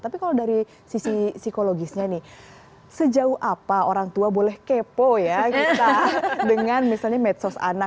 tapi kalau dari sisi psikologisnya nih sejauh apa orang tua boleh kepo ya kita dengan misalnya medsos anak